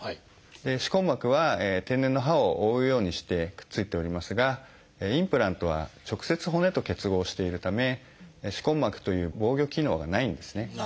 歯根膜は天然の歯を覆うようにしてくっついておりますがインプラントは直接骨と結合しているため歯根膜という防御機能がないんですね。